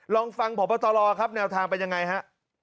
ลองฟังพบตรครับแนวทางเป็นยังไงฮะ